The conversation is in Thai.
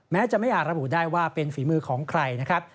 แม้จะไม่อาจระบุได้ว่าเป็นฝีมือของใครนะครับ